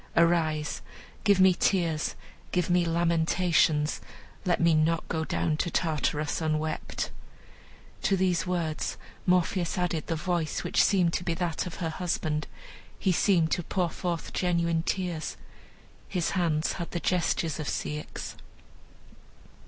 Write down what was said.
Arise! give me tears, give me lamentations, let me not go down to Tartarus unwept." To these words Morpheus added the voice, which seemed to be that of her husband; he seemed to pour forth genuine tears; his hands had the gestures of Ceyx.